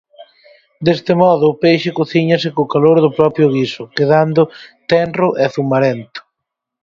Deste modo, o peixe cociñase co calor do propio guiso, quedando tenro e zumarento.